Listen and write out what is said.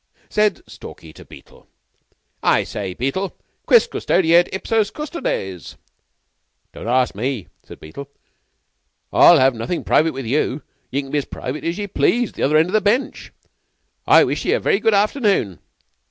Said Stalky to Beetle: "I say, Beetle, quis custodet ipsos custodes?" "Don't ask me," said Beetle. "I'll have nothin' private with you. Ye can be as private as ye please the other end of the bench; and I wish ye a very good afternoon."